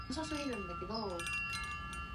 Karolina Gerlich is the chief executive.